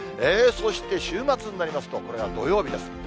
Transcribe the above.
そして週末になりますと、これが土曜日です。